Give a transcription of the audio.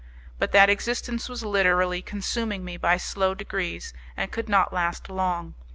But that existence was literally consuming me by slow degrees, and could not last long.